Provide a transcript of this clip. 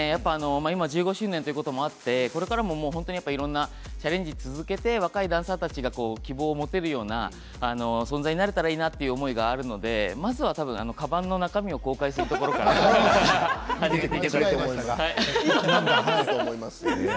今１５周年ということもあって、これからもいろいろなチャレンジを続けて若いダンサーたちが希望を持てるような存在になればいいなって思いがあるので、まずは多分かばんの中身を紹介するところから間違いない。